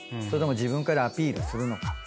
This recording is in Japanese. それとも自分からアピールするのか。